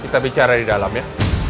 kita bicara di dalam ya